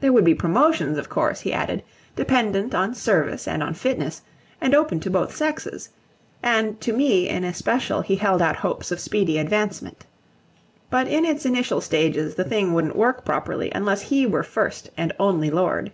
There would be promotions, of course, he added, dependent on service and on fitness, and open to both sexes; and to me in especial he held out hopes of speedy advancement. But in its initial stages the thing wouldn't work properly unless he were first and only Lord.